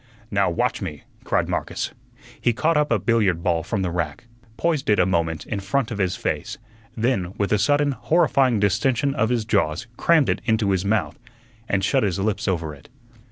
"Now watch me," cried Marcus. He caught up a billiard ball from the rack, poised it a moment in front of his face, then with a sudden, horrifying distension of his jaws crammed it into his mouth, and shut his lips over it.